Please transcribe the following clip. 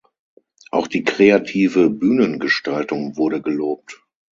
Auch die kreative Bühnengestaltung wurde gelobt.